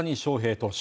投手